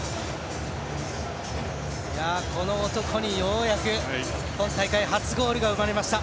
この男にようやく今大会初ゴールが生まれました。